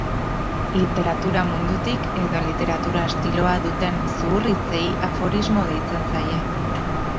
Literatura mundutik edo literatura estiloa duten zuhur-hitzei aforismo deitzen zaie.